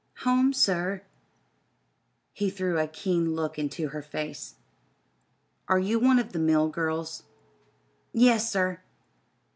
"Home, sir." He threw a keen look into her face. "Are you one of the mill girls?" "Yes, sir."